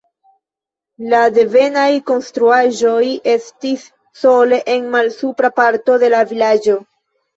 La devenaj konstruaĵoj estis sole en malsupra parto de la vilaĝo.